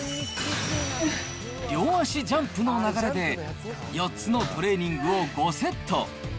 両足ジャンプの流れで、４つのトレーニングを５セット。